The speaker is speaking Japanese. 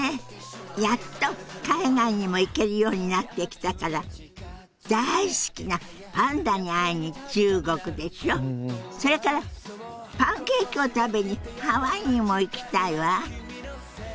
やっと海外にも行けるようになってきたから大好きなパンダに会いに中国でしょそれからパンケーキを食べにハワイにも行きたいわ。